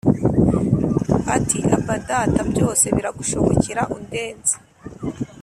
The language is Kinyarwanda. Ati aba data byose biragushobokera undenze